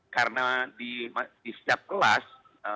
karena di setiap kelas